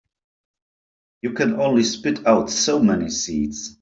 You can only spit out so many seeds.